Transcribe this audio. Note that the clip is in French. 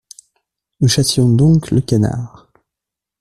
Nous chassions donc le canard…